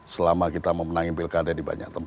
selama kita memenangi pilkada di banyak tempat